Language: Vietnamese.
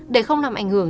để không làm ảnh hưởng